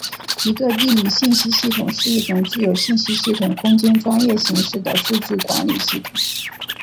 一个地理信息系统是一种具有信息系统空间专业形式的数据管理系统。